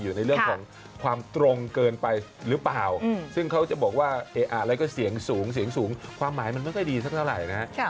อยู่ในเรื่องของความตรงเกินไปหรือเปล่าซึ่งเขาจะบอกว่าเอ๊ะอะไรก็เสียงสูงเสียงสูงความหมายมันไม่ค่อยดีสักเท่าไหร่นะฮะ